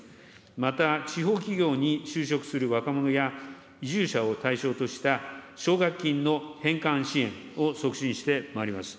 また、地方企業に就職する若者や、移住者を対象とした奨学金の返還支援を促進してまいります。